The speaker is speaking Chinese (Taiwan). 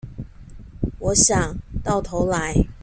我想，到頭來